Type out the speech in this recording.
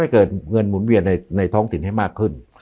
ให้เงื่อทุกตัวในท้องถิ่นให้มากขึ้น